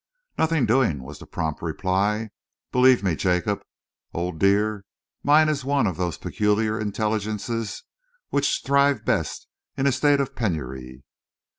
"Nothing doing," was the prompt reply. "Believe me, Jacob, old dear, mine is one of those peculiar intelligences which thrive best in a state of penury.